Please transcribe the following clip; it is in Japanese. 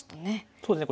そうですね